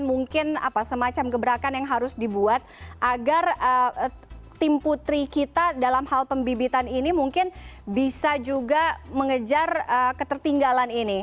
mungkin semacam gebrakan yang harus dibuat agar tim putri kita dalam hal pembibitan ini mungkin bisa juga mengejar ketertinggalan ini